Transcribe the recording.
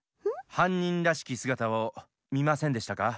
はんにんらしきすがたをみませんでしたか？